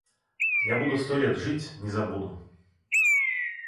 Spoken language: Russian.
Я буду сто лет жить, не забуду.